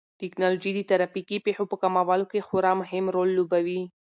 ټیکنالوژي د ترافیکي پېښو په کمولو کې خورا مهم رول لوبوي.